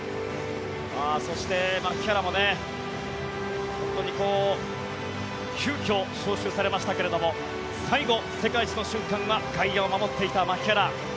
そして、牧原も本当に急きょ、招集されましたけれども最後、世界一の瞬間は外野を守っていた牧原。